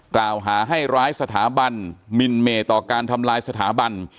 กล่าวหาให้ร้ายสถาบันมินเมต่อการทำลายสถาบัน